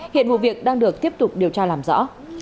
hiện vụ việc đang được tiếp tục điều tra làm rõ